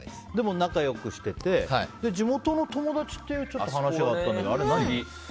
でも仲良くしてて地元の友達っていう話があったけど何？